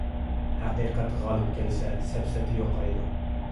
ھەقىقەت غالىب كەلسە سەپسەتە يوقايدۇ.